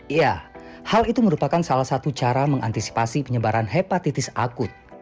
iya hal itu merupakan salah satu cara mengantisipasi penyebaran hepatitis akut